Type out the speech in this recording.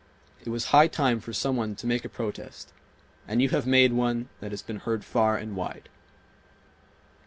It was high time for some one to make a protest, and you have made one that has been heard far and wide